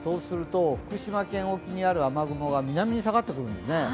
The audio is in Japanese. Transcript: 福島県沖にある雨雲が南に下がってくるんですね。